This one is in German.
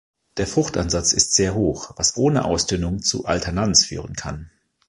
Der Fruchtansatz ist sehr hoch, was ohne Ausdünnung zu Alternanz führen kann.